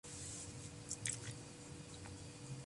Kutoka hapa alirudi Moroko kupitia Makka.